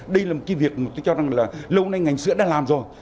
đây là một cái việc mà tôi cho rằng là lâu nay ngành sữa đã làm rồi